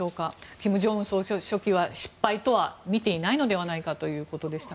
金正恩総書記は失敗とは見ていないのではないかということですが。